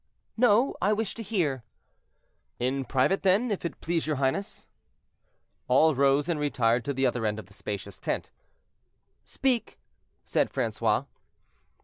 "No, I wish to hear." "In private then, if it please your highness." All rose and retired to the other end of the spacious tent. "Speak," said Francois.